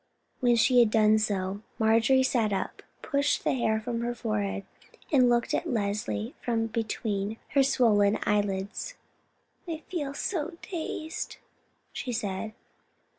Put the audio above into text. When she had done so, Marjorie sat up, pushed the hair from her forehead, and looked at Leslie from between her swollen eyelids. "I feel so dazed," she said.